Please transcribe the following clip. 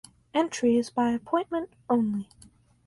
Entry is by appointment only.